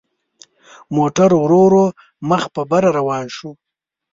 موټر ورو ورو مخ په بره روان شو.